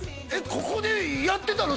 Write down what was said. ここでやってたの？